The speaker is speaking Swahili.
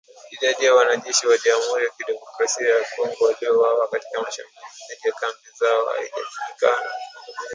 Idadi ya wanajeshi wa Jamhuri ya Kidemokrasia ya Kongo waliouawa katika shambulizi dhidi ya kambi zao haijajulikana